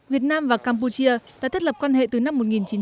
việt nam và campuchia đã thiết lập quan hệ từ năm một nghìn chín trăm sáu mươi bảy